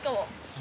あ。